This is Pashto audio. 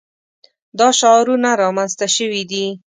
دا شعارونه رامنځته شوي دي.